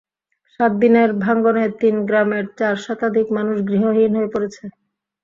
সাত দিনের ভাঙনে তিন গ্রামের চার শতাধিক মানুষ গৃহহীন হয়ে পড়েছে।